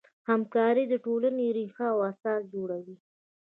همکاري د ټولنې ریښه او اساس جوړوي.